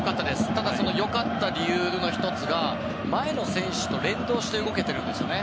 ただ、良かった理由の１つが前の選手と連動して動けてるんですよね。